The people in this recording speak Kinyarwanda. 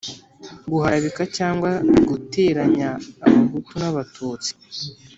guharabika cyangwa guteranya Abahutu n'Abatutsi.